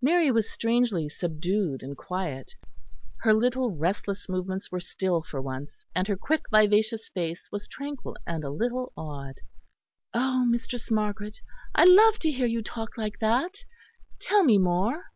Mary was strangely subdued and quiet. Her little restless movements were still for once; and her quick, vivacious face was tranquil and a little awed. "Oh, Mistress Margaret, I love to hear you talk like that. Tell me more."